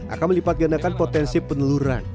akan melipat gandakan potensi peneluran